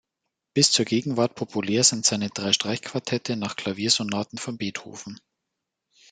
Bis zur Gegenwart populär sind seine drei Streichquartette nach Klaviersonaten von Beethoven.